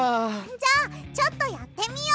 じゃあちょっとやってみよう！